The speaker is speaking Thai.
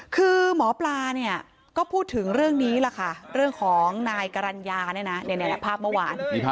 คือหมอปลาก็พูดถึงเรื่องนี้แหละค่ะเรื่องของนายกรรณญาภาพเมื่อวาน